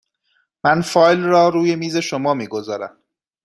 من فایل را روی میز شما می گذارم.